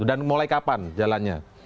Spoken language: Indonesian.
dan mulai kapan jalannya